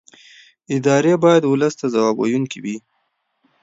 ادارې باید ولس ته ځواب ویونکې وي